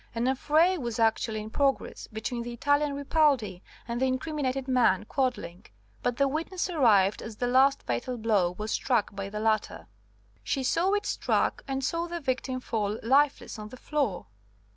An affray was actually in progress between the Italian Ripaldi and the incriminated man Quadling, but the witness arrived as the last fatal blow was struck by the latter. "She saw it struck, and saw the victim fall lifeless on the floor.